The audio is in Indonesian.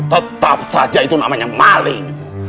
tetap saja itu namanya maling